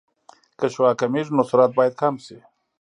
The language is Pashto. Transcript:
که شعاع کمېږي نو سرعت باید کم شي